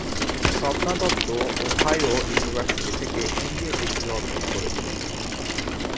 Swapna Dutta Ohio University থেকে MBA degree অর্জন করেছেন।